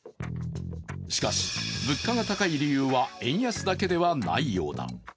しかし、物価が高い理由は円安だけではないようだ。